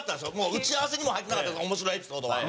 打ち合わせにも入ってなかった面白エピソードは。